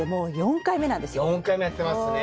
４回目やってますね。